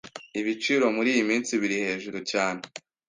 Ibiciro muriyi minsi biri hejuru cyane.